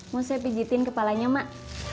mau saya pijitin kepalanya mak